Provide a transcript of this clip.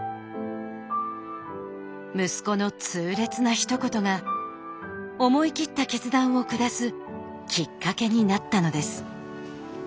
息子の痛烈なひと言が思い切った決断を下すきっかけになったのです。